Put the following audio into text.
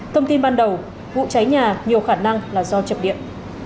thông tin ban đầu vụ cháy nhà nhiều khả năng là do chập điện